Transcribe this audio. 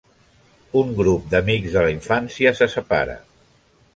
Un grup d'amics de la infància se separa.